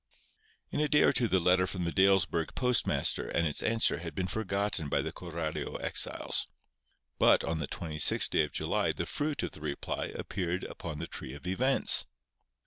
In a day or two the letter from the Dalesburg postmaster and its answer had been forgotten by the Coralio exiles. But on the 26th day of July the fruit of the reply appeared upon the tree of events.